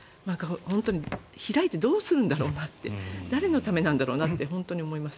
開いてどうするんだろうなって誰のためなんだろうって本当に思います。